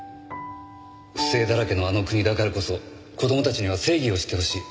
不正だらけのあの国だからこそ子供たちには正義を知ってほしい。